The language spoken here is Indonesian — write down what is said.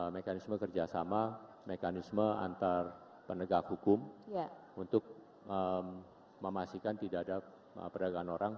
mekanisme kerjasama mekanisme antar penegak hukum untuk memastikan tidak ada perdagangan orang